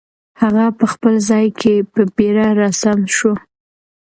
هغه په خپل ځای کې په بیړه را سم شو.